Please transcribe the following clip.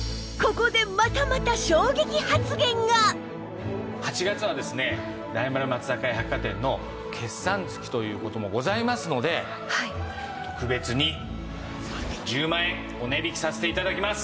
ところが８月はですね大丸松坂屋百貨店の決算月という事もございますので特別に１０万円お値引きさせて頂きます！